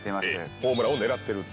ホームランをねらっていると。